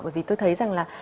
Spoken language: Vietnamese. bởi vì tôi thấy rằng là